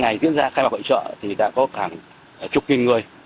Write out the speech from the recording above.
ngày diễn ra khai bảo hội trợ thì đã có khoảng chục kỳ người